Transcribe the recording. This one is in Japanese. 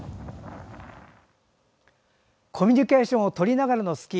コミュニケーションをとりながらのスキー。